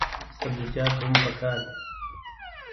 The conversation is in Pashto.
سبزیجات هم پکار دي.